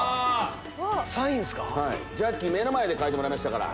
サインっすか⁉目の前で書いてもらいましたから。